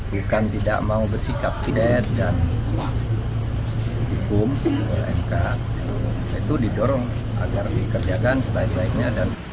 bukan tidak mau bersikap tidak dan hukum oleh mkh itu didorong agar dikerjakan setelah itu